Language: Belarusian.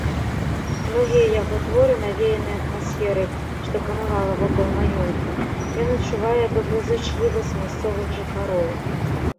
Многія яго творы навеяныя атмасферай, што панавала вакол маёнтка, ён адчувае добразычлівасць мясцовых жыхароў.